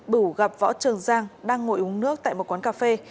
đủ gặp võ trường giang đang ngồi uống nước tại một quán cà phê